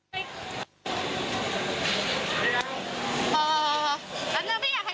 พี่ขอไปร้องข้างในก่อน